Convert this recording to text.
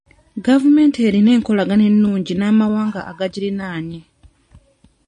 Gavumenti erina enkolagana ennungi n'amawanga agagiriraanye..